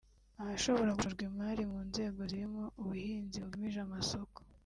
ahashobora gushorwa imari mu nzego zirimo “ubuhinzi bugamije amasoko